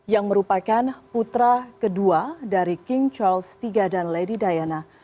yang merupakan putra kedua dari king charles iii dan lady diana